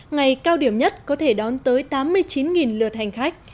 ngày cao điểm nhất có thể đón tới tám mươi chín lượt hành khách